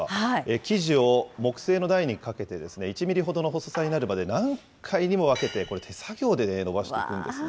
生地を木製の台にかけて、１ミリほどの細さになるまで何回にも分けて手作業で伸ばしていくんですね。